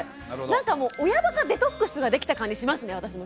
なんか親バカデトックスができた感じしますね私も。